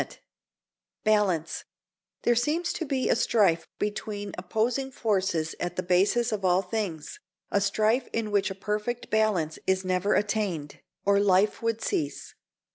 XV BALANCE There seems to be a strife between opposing forces at the basis of all things, a strife in which a perfect balance is never attained, or life would cease.